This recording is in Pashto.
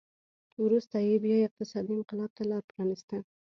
وروسته یې بیا اقتصادي انقلاب ته لار پرانېسته